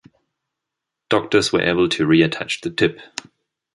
Doctors were able to reattach the tip.